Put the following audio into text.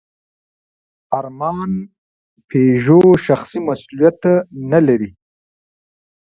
ارمان پيژو شخصي مسوولیت نهلري.